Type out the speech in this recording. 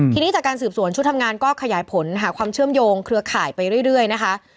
ทีนี้จากการสืบสวนชุดทำงานก็ขยายผลหาความเชื่อมโยงเครือข่ายไปเรื่อยนะคะ